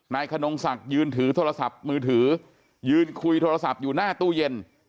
ขนงศักดิ์ยืนถือโทรศัพท์มือถือยืนคุยโทรศัพท์อยู่หน้าตู้เย็น